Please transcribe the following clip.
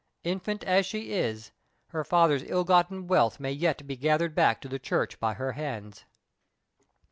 Infant as she is, her father's ill gotten wealth may yet be gathered back to the Church by her hands."